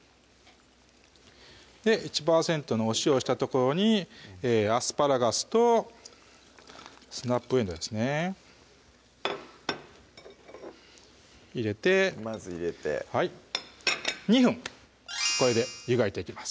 １％のお塩したところにアスパラガスとスナップえんどうですね入れてまず入れて２分これで湯がいていきます